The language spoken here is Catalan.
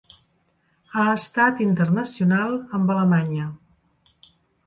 Ha estat internacional amb Alemanya.